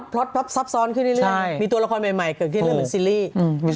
ซับซ้อนขึ้นเรื่อยมีตัวละครใหม่เกิดขึ้นด้วยเหมือนซีรีส์